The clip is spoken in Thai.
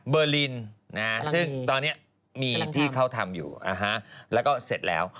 เบอร์ลินซึ่งตอนนี้มีที่เขาทำอยู่นะฮะแล้วก็เสร็จแล้ว